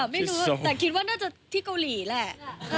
ไม่รู้แต่คิดว่าน่าจะที่เกาหลีแหละ